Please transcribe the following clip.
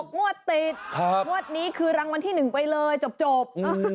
งวดติดงวดนี้คือรางวัลที่๑ไปเลยจบ